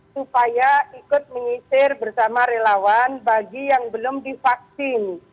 supaya ikut menyisir bersama relawan bagi yang belum divaksin